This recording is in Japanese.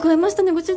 ご主人！